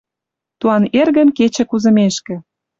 Туан эргӹм кечӹ кузымешкӹ